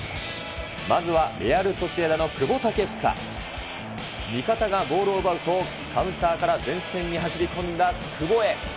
まずはレアル・ソシエダの久保建英。味方がボールを奪うと、カウンターから前線に走り込んだ久保へ。